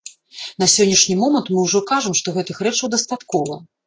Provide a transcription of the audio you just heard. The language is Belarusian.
На сённяшні момант мы ўжо кажам, што гэтых рэчаў дастаткова.